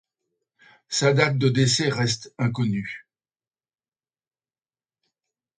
Sa date de décès reste inconnue.